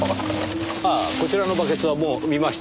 ああこちらのバケツはもう見ましたか？